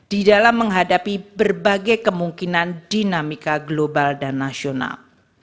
di dalam menghadapi berbagai kemungkinan dinamika global dan nasional